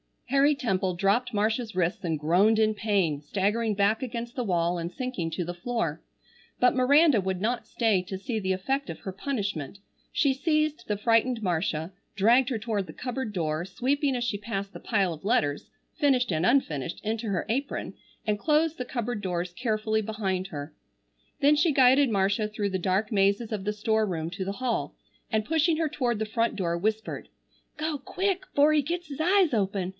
Harry Temple dropped Marcia's wrists and groaned in pain, staggering back against the wall and sinking to the floor. But Miranda would not stay to see the effect of her punishment. She seized the frightened Marcia, dragged her toward the cupboard door, sweeping as she passed the pile of letters, finished and unfinished, into her apron, and closed the cupboard doors carefully behind her. Then she guided Marcia through the dark mazes of the store room to the hall, and pushing her toward the front door, whispered: "Go quick 'fore he gets his eyes open.